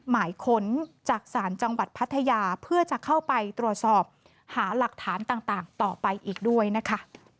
หมายค้นจากศาลจังหวัดพัทยาเพื่อจะเข้าไปตรวจสอบหาหลักฐานต่างต่อไปอีกด้วยนะคะ